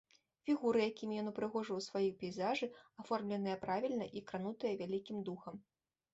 Фігуры, якімі ён упрыгожыў сваі пейзажы, аформленыя правільна, і кранутыя вялікім духам.